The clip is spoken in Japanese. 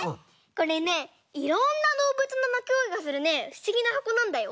これねいろんなどうぶつのなきごえがするねふしぎなはこなんだよ。